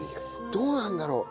どうなんだろう？